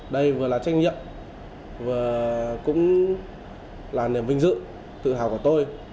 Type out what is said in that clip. đây vừa là trách nhiệm vừa cũng là niềm vinh dự tự hào của tôi